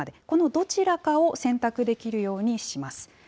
このどちらかを選択できるようにします。